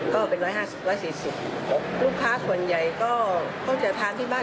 ก็เป็นร้อยห้าสิบร้อยสี่สิบลูกค้าส่วนใหญ่ก็เขาจะทานที่บ้าน